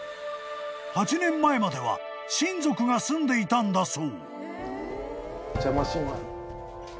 ［８年前までは親族が住んでいたんだそう］